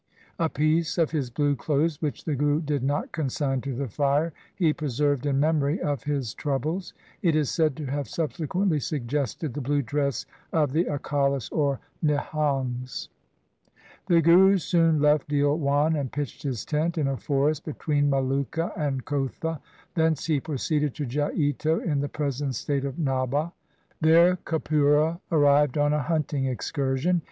A piece of his blue clothes which the Guru did not consign to the fire he preserved in memory of his troubles. It is said to have subse quently suggested the blue dress of the Akalis or Nihangs. The Guru soon left Dhilwan and pitched his tent in a forest between Maluka and Kotha. Thence he proceeded to Jaito in the present state of Nabha. There Kapura arrived on a hunting excursion.